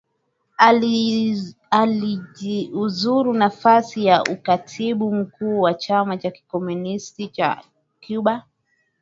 Alijiuzuru nafasi ya ukatibu mkuu wa Chama cha Kikomunisti cha Cuba